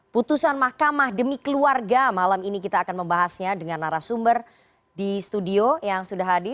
putusan mahkamah demi keluarga malam ini kita akan membahasnya dengan narasumber di studio yang sudah hadir